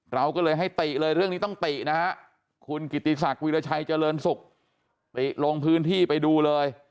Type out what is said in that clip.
เราก็เลยให้ติเลยเรื่องนี้ต้องตินะฮะคุณกิติศักดิราชัยเจริญสุขติลงพื้นที่ไปดูเลย